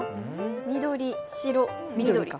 緑・白・緑か。